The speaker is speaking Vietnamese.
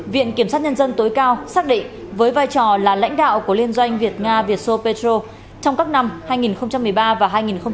viện kiểm sát nhân dân tối cao xác định với vai trò là lãnh đạo của liên doanh việt nga vietso petro trong các năm hai nghìn một mươi ba và hai nghìn một mươi tám